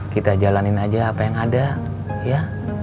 kita jalanin aja apa yang ada ya